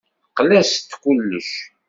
Teqqel-as d kullec.